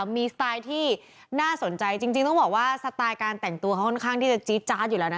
มีสไตล์ที่น่าสนใจจริงต้องบอกว่าสไตล์การแต่งตัวเขาค่อนข้างที่จะจี๊ดจาร์ดอยู่แล้วนะ